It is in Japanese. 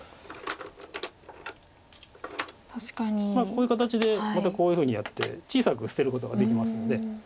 こういう形でまたこういうふうにやって小さく捨てることができますので。